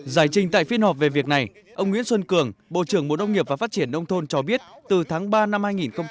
giải trình tại phiên họp về việc này ông nguyễn xuân cường bộ trưởng bộ nông nghiệp và phát triển đông thôn cho biết từ tháng ba năm hai nghìn một mươi tám